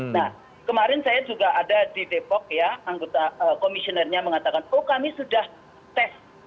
nah kemarin saya juga ada di depok ya anggota komisionernya mengatakan oh kami sudah tes